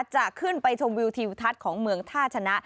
จะขึ้นไปชมวิวทิวทัศน์ของเมืองท่าชนะ